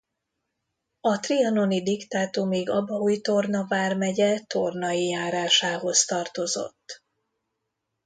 A trianoni diktátumig Abaúj-Torna vármegye Tornai járásához tartozott.